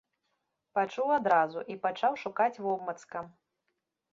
Пачуў адразу і пачаў шукаць вобмацкам.